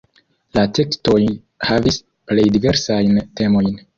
La tekstoj havis plej diversajn temojn.